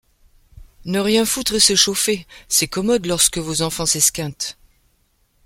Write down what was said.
Ne rien foutre et se chauffer, c’est commode, lorsque vos enfants s’esquintent !